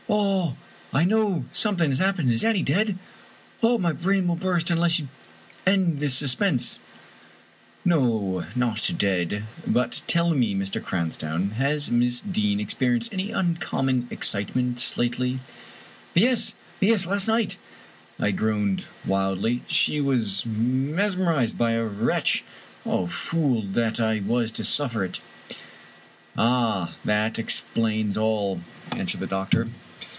I know something has happened. Is Annie dead ? Oh, my brain will burst unless you end this suspense !"" No — ^not dead. But tell me, Mr. Cranstoun, has Miss Deane experienced any uncommon excitement lately?" " Yes — yes — ^last night !" I groaned wildly, " she was mesmerized by a wretch. Oh, fool that I was to suffer it !"" Ah ! that explains all," answered the doctor.